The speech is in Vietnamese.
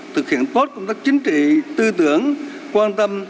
thực hiện tốt công tác chính trị tư tưởng quan tâm